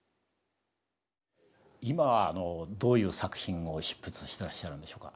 今どういう作品を執筆してらっしゃるんでしょうか？